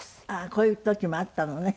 こういう時もあったのね。